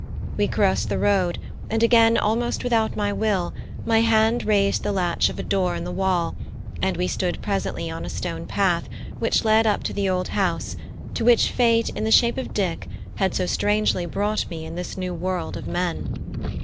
We crossed the road, and again almost without my will my hand raised the latch of a door in the wall, and we stood presently on a stone path which led up to the old house to which fate in the shape of Dick had so strangely brought me in this new world of men.